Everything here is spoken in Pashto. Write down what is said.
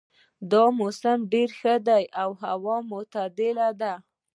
دا موسم ډېر ښه ده او هوا معتدله ده